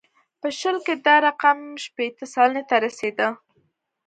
په شل کې دا رقم شپېته سلنې ته رسېده.